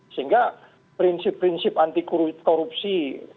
sehingga prinsip prinsip anti korupsi